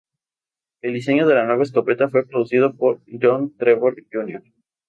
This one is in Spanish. El diseño de la nueva escopeta fue producido por John Trevor Jr.